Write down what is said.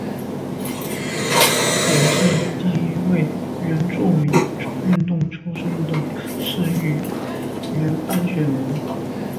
也是第一位原住民运动出身的市议员当选人。